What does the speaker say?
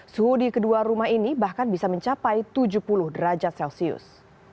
suhu di kedua rumah ini bahkan bisa mencapai tujuh puluh derajat celcius